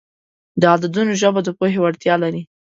د عددونو ژبه د پوهې وړتیا لري.